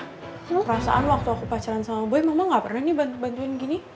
perasaan waktu aku pacaran sama boy mama gak pernah nih bantu bantuin gini